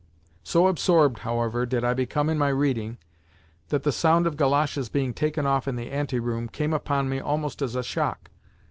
So absorbed, however, did I become in my reading that the sound of goloshes being taken off in the ante room came upon me almost as a shock.